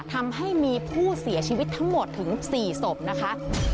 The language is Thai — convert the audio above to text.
ทำให้มีผู้เสียชีวิตทั้งหมดถึง๔ศพนะคะ